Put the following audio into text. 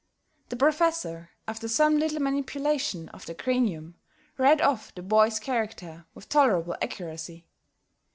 The Professor, after some little manipulation of the cranium, read off the boy's character with tolerable accuracy.